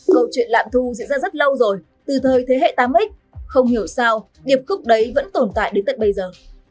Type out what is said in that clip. câu chuyện lạm thu diễn ra rất lâu rồi từ thời thế hệ tám x không hiểu sao điệp cúc đấy vẫn tồn tại đến tận bây giờ